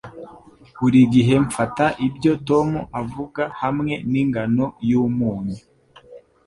Buri gihe mfata ibyo Tom avuga hamwe ningano yumunyu